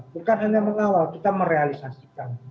bukan hanya mengawal kita merealisasikan